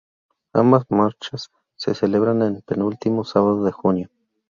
Ambas marchas se celebran el penúltimo sábado de junio.